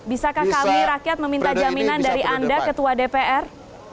bisakah kami rakyat meminta jaminan dari anda ketua dpr